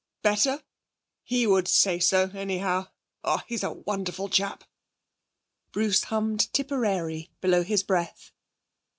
'Better! He would say so, anyhow. Ah, he's a wonderful chap!' Bruce hummed Tipperary below his breath.